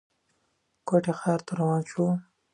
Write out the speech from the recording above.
کوټې ښار ته روان شو.